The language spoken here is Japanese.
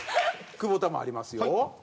久保田もありますよ。